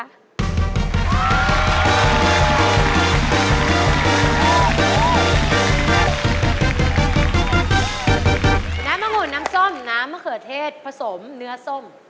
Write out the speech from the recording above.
น้ำมะหุ่นน้ำส้มน้ำมะเขือเทศผสมเนื้อส้ม